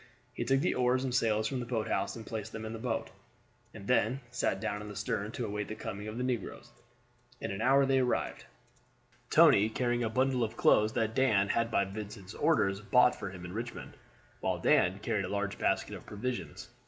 He took the oars and sails from the boathouse and placed them in the boat, and then sat down in the stern to await the coming of the negroes. In an hour they arrived; Tony carrying a bundle of clothes that Dan had by Vincent's orders bought for him in Richmond, while Dan carried a large basket of provisions.